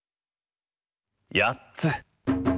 やっつ。